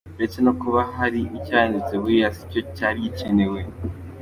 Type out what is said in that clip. Uretse ko niba hari n’icyahindutse buriya si cyo cyari gikenewe.